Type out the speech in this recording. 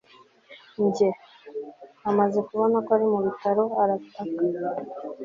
njye? amaze kubona ko ari mu bitaro, arataka